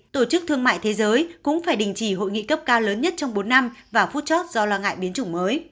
tổ chức thương mại thế giới cũng phải đình chỉ hội nghị cấp cao lớn nhất trong bốn năm và phút chót do lo ngại biến chủng mới